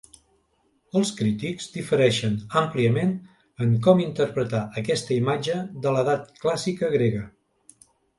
Els crítics difereixen àmpliament en com interpretar aquesta imatge de l'edat clàssica grega.